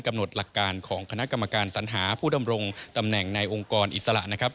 หลักการของคณะกรรมการสัญหาผู้ดำรงตำแหน่งในองค์กรอิสระนะครับ